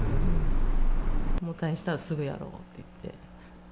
退院したらすぐやろうって言って。